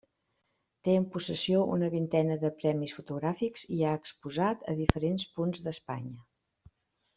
Té en possessió una vintena de premis fotogràfics i ha exposat a diferents punts d'Espanya.